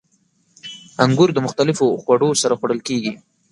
• انګور د مختلفو خوړو سره خوړل کېږي.